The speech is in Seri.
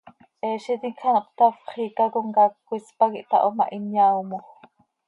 Heezitim quij ano hptafp, xiica comcaac cmis pac ihtaho ma, hin yaaomoj.